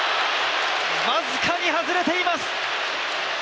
僅かに外れています！